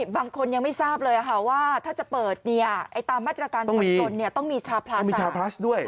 บางคนยังไม่ทราบเลยว่าถ้าจะเปิดตามมาตรการฝั่งทนต้องมีชาพลัส